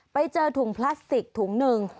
ไปเจอถุงพลาสติกถุงหนึ่ง